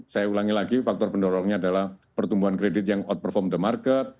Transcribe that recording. saya ulangi lagi faktor pendorongnya adalah pertumbuhan kredit yang outperform the market